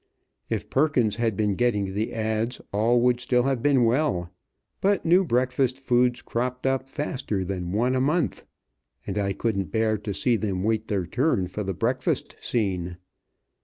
If Perkins had been getting the ads., all would still have been well; but new breakfast foods cropped up faster than one a month, and I couldn't bear to see them wait their turn for the breakfast scene.